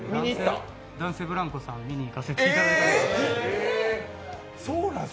男性ブランコさん、見に行かせていただきました。